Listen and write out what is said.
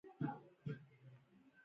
تاریخ د تمدن سرچینه ده.